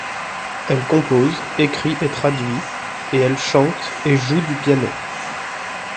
Elle compose, écrit et traduit, et elle chante et joue du piano.